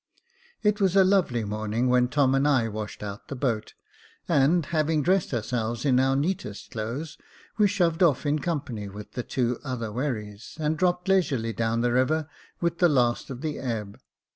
It was a lovely morning when Tom and I washed out the boat, and, having dressed ourselves in our neatest clothes, we shoved off in company with the two other wherries, and dropped leisurely down the river with the last of the ebb.